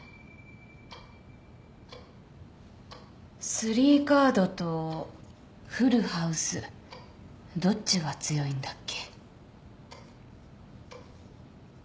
スリーカードとフルハウスどっちが強いんだっけ？